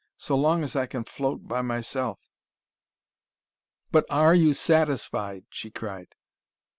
"So long as I can float by myself." "But ARE you SATISFIED!" she cried.